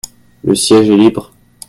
Le siège est libre ?